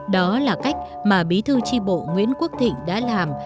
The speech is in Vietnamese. đó là cách mà bí thư tri bộ nguyễn quốc thịnh đã làm